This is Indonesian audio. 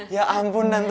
ya ampun tante